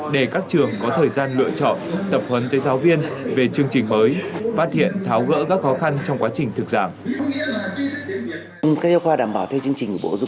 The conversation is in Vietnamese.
để các trường có thời gian lựa chọn tập huấn tới giáo viên về chương trình mới phát hiện tháo gỡ các khó khăn trong quá trình thực giảng